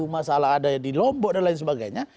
masalah ada di lombok dan lain sebagainya